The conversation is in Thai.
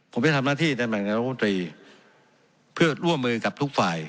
ผมจะทำหน้าที่ในแห่งดนตรีร่วมมือกับทุกฝ่าย